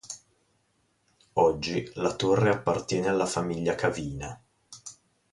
Oggi la torre appartiene alla famiglia Cavina.